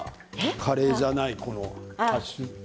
カレーじゃない。